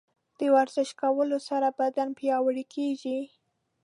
د ورزش کولو سره بدن پیاوړی کیږي.